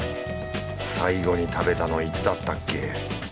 最後に食べたのいつだったっけ？